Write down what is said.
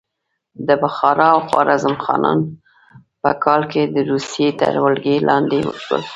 د بخارا او خوارزم خانان په کال کې د روسیې تر ولکې لاندې شول.